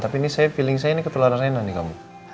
tapi ini feeling saya ketularan rena nih kamu